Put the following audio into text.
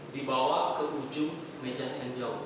dibawa ke ujung meja yang jauh